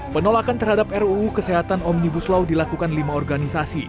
penolakan terhadap ruu kesehatan omnibus law dilakukan lima organisasi